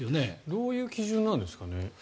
どういう基準なんですかね？